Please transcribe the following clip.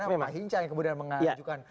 karena pak hinca yang kemudian mengajukan